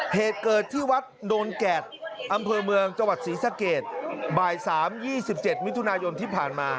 เหตุเกิดที่วัดโดนแก่ดอำเภอเมืองจังหวัดศรีสะเกดบ่าย๓๒๗มิถุนายนที่ผ่านมา